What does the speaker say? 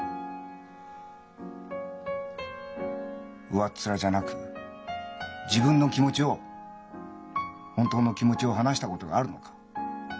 上っ面じゃなく自分の気持ちを本当の気持ちを話したことがあるのか？